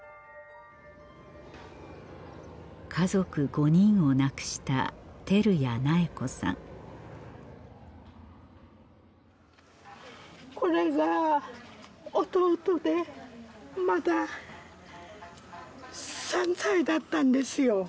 家族５人を亡くしたこれが弟でまだ３歳だったんですよ。